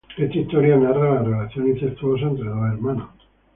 Esta historia narra la relación incestuosa entre dos hermanos.